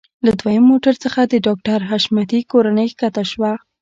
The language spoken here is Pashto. له دويم موټر څخه د ډاکټر حشمتي کورنۍ ښکته شوه.